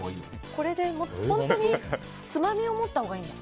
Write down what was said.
本当につまみを持ったほうがいいんだ。